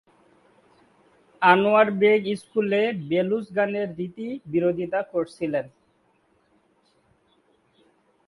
আনোয়ার বেগ স্কুলে বেলুচ গানের রীতির বিরোধিতা করেছিলেন।